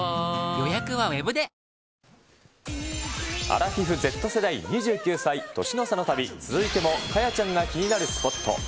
アラフィフ・Ｚ世代、２９歳、年の差の旅、続いても果耶ちゃんが気になるスポット。